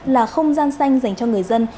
là không gian xanh dành cho người dân